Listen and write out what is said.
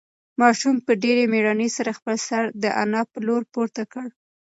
ماشوم په ډېرې مېړانې سره خپل سر د انا په لور پورته کړ.